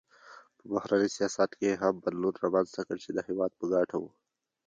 په بهرني سیاست کې هم بدلون رامنځته کړ چې د هېواد په ګټه و.